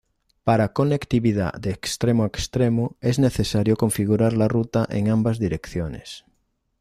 Para conectividad de extremo a extremo, es necesario configurar la ruta en ambas direcciones.